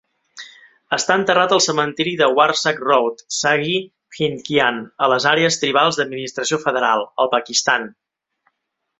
Està enterrat al cementiri de Warsak Road, Shagi Hindkyan, a les àrees tribals d'administració federal, al Pakistan.